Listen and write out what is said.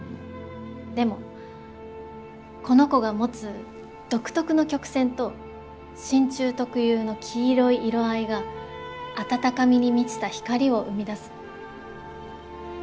でもこの子が持つ独特の曲線と真鍮特有の黄色い色合いがあたたかみに満ちた光を生み出す。